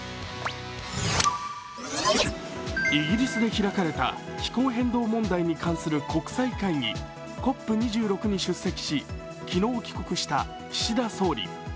イギリスで開かれた気候変動問題に関する国際会議、ＣＯＰ２６に出席し、昨日帰国した岸田総理。